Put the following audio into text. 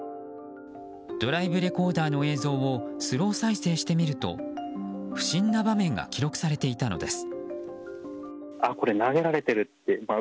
ドライブレコーダーの映像をスロー再生してみると不審な場面が記録されていたのです。